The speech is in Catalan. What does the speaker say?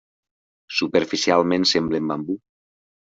Superficialment semblen bambú.